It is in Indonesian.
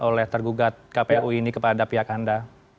oleh tergugat kpu ini kepada pihak anda